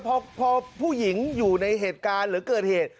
พอผู้หญิงอยู่ในเหตุการณ์หรือเกิดเหตุ